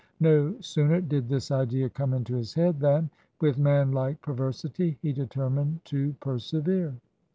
No sooner did this idea come into his head than, with manlike perversity, he determined to persevere.